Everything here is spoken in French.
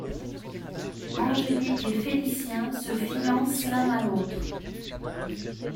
Angélique et Félicien se fiancent l'un à l'autre.